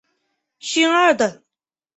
勋二等。